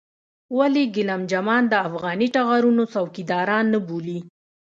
ولې ګېلم جمان د افغاني ټغرونو څوکيداران نه بولې.